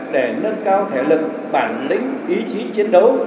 để nâng cao thể lực bản lĩnh ý chí chiến đấu